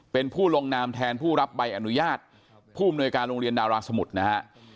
เป็นผู้ลงนามแทนผู้รับใบอนุญาตผู้อำนวยการโรงเรียนดาราสมุทรนะฮะ